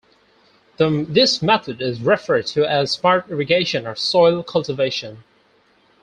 This method is referred to as "smart irrigation" or "soil cultivation".